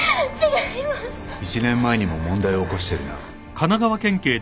一年前にも問題を起こしてるな。